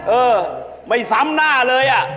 เออไม่ซ้ำหน้าเลยอ่ะ